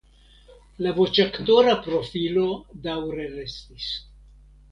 La voĉaktora profilo daŭre restis.